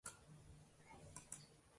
Men bilmayman yoshim nechadir?